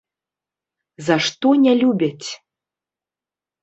За што не любяць?